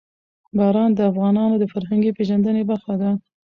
باران د افغانانو د فرهنګي پیژندنې برخه ده.